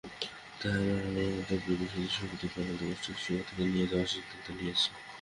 তাই আমরা আমাদের প্রিয় বিশ্ববিদ্যালয়ে সুখ-দুঃখ-আনন্দ-কষ্টে একসঙ্গে থেকে যাওয়ার সিদ্ধান্ত নিয়েছি।